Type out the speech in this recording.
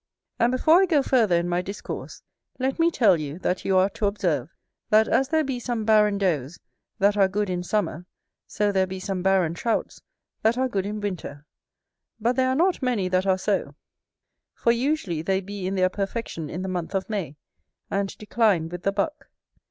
And before I go farther in my discourse, let me tell you, that you are to observe, that as there be some barren does that are good in summer, so there be some barren Trouts that are good in winter; but there are not many that are so; for usually they be in their perfection in the month of May, and decline with the buck.